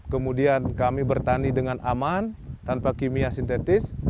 kemudian kami bertani dengan aman tanpa kimia sintetis